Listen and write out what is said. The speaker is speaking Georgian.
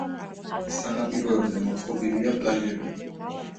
სანაპიროებზე მოწყობილია პლაჟები.